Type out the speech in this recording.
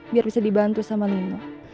biar bisa dibantu sama nino